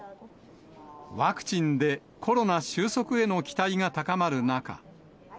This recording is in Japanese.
ワクチンでコロナ収束への期待が高まる中。